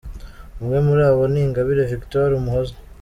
Umwe muri abo ni Ingabire Victoire Umuhoza.